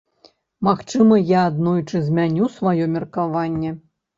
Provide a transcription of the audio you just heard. Магчыма, я аднойчы змяню сваё меркаванне.